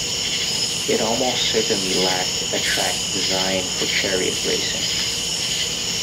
It almost certainly lacked a track designed for chariot racing.